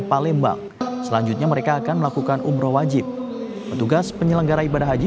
palembang selanjutnya mereka akan melakukan umroh wajib petugas penyelenggara ibadah haji